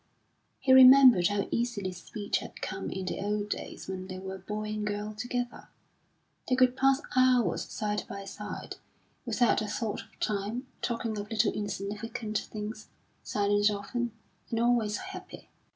He remembered how easily speech had come in the old days when they were boy and girl together; they could pass hours side by side, without a thought of time, talking of little insignificant things, silent often, and always happy.